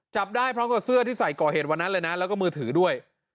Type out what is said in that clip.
จับได้พร้อมกับเสื้อที่ใส่ก่อเหตุวันนั้นเลยนะแล้วก็มือถือด้วย